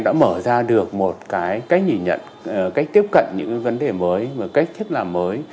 đã mở ra được một cái cách nhìn nhận cách tiếp cận những vấn đề mới cách thiết làm mới